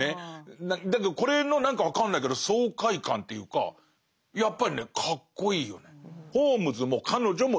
だけどこれの何か分かんないけど爽快感というかやっぱりねかっこいいよね。